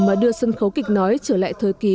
mà đưa sân khấu kịch nói trở lại thời kỳ